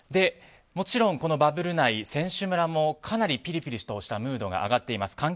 もちろん、このバブル内選手村もかなりピリピリしたムードが上がっています。